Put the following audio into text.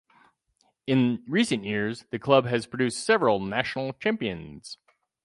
In recent years the club has produced several national champions.